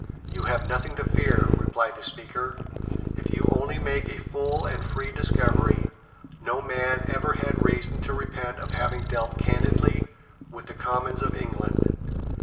"You have nothing to fear," replied the Speaker, "if you will only make a full and free discovery. No man ever had reason to repent of having dealt candidly with the Commons of England."